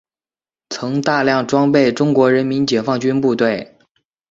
曾大量装备中国人民解放军部队。